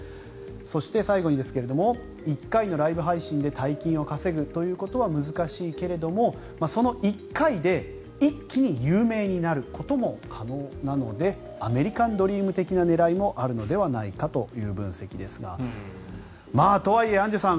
そして、最後にですが１回のライブ配信で大金を稼ぐということは難しいけれども、その１回で一気に有名になることも可能なのでアメリカンドリーム的な狙いもあるのではないかという分析ですがとはいえ、アンジュさん